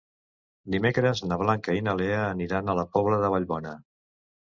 Dimecres na Blanca i na Lea aniran a la Pobla de Vallbona.